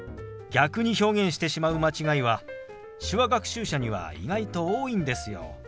逆に表現してしまう間違いは手話学習者には意外と多いんですよ。